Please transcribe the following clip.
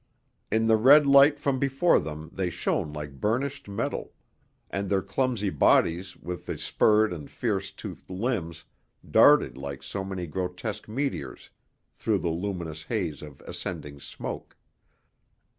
In the red light from before them they shone like burnished metal, and their clumsy bodies with the spurred and fierce toothed limbs darted like so many grotesque meteors through the luminous haze of ascending smoke.